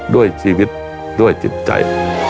ด้วยชีวิตด้วยจิตใจ